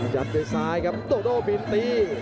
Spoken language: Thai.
ยัดด้วยซ้ายครับโดโดบินตี